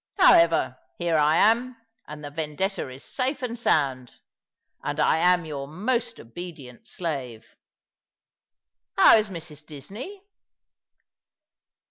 However, here I am, and the Vendetta is safe and sound; and I am your most obedient slave. How is Mrs. Disney?"